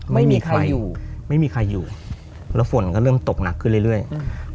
ไม่มีใครอยู่ไม่มีใครอยู่แล้วฝนก็เริ่มตกหนักขึ้นเรื่อยเรื่อยอืม